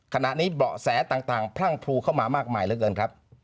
ขณะนี้เบาะแสต่างพรั่งพลูเข้ามามากมายเหลือเกินครับ